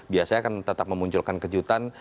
biasanya akan tetap memunculkan kejutan